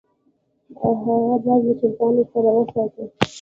هغه باز له چرګانو سره وساته.